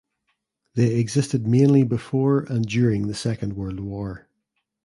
They existed mainly before and during the Second World War.